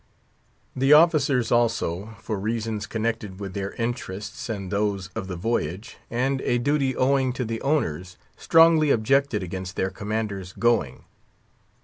The officers also, for reasons connected with their interests and those of the voyage, and a duty owing to the owners, strongly objected against their commander's going.